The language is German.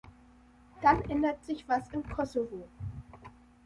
Dann ändert sich was im Kosovo.